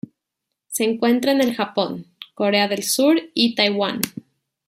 Se encuentra en el Japón, Corea del Sur y Taiwán.